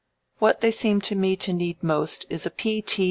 What they seem to me to need most is a P. T.